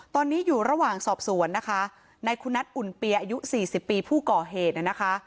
ตอนนี้อยู่ระหว่างสอบสวนนะคะในคุณนัทอุ่นเปียอายุสี่สิบปีผู้ก่อเหตุนะคะ